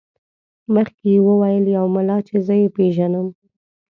مخکې یې وویل یو ملا چې زه یې پېژنم.